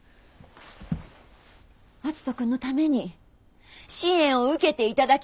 篤人君のために支援を受けていただきたいんです。